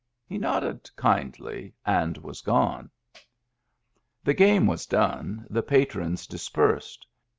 He nodded kindly, and was gone. The game was done, the patrons dispersed.